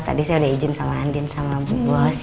tadi saya udah izin sama andin sama bu bos